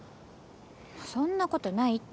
そんな事ないって。